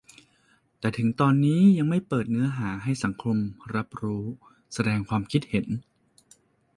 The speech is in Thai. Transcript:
แต่ถึงตอนนี้ยังไม่เปิดเนื้อหาให้สังคมรับรู้-แสดงความคิดเห็น